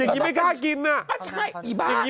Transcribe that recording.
อย่างนี้ไม่ต้องกิน